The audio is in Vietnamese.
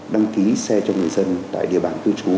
đăng ký xe cho người dân tại địa bàn cư trú